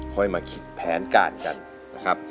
ค่อยมาคิดแผนการกันนะครับ